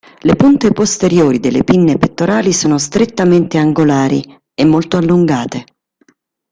Le punte posteriori delle pinne pettorali sono strettamente angolari e molto allungate.